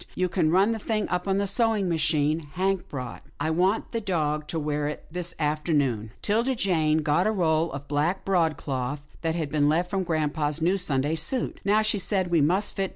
You can run the thing up on the sewing machine Hank bought you. I'll want the dog to wear it this afternoon." 'Tilda Jane got a roll of black broadcloth that had been left from grampa's new Sunday suit.